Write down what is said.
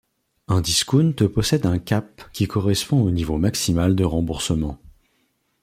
Un Discount possède un Cap qui correspond au niveau maximal de remboursement.